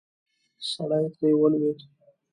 سړی ترې ولوېد.